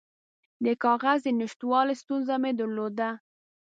د کاغذ د نشتوالي ستونزه مې درلوده.